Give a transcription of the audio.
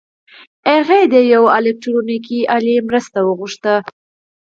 هغه د یوې الکټرونیکي الې مرسته وغوښته